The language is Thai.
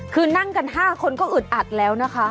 คือนั่งกัน๕คนก็อึดอัดแล้วนะคะ